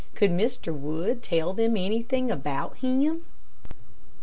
Could Mr. Wood tell them anything about him?